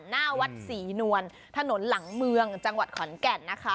หน้าวัดศรีนวลถนนหลังเมืองจังหวัดขอนแก่นนะคะ